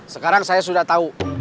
sekarang saya sudah tau